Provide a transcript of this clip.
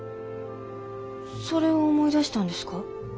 それを思い出したんですか？